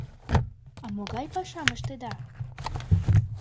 — А могай пашам ыштеда?